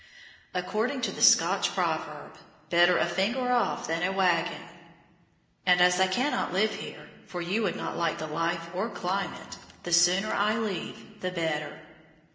According to the Scotch proverb, "Better a finger off than aye wagging," and as I cannot live here (for you would not like the life or climate), the sooner I leave the better.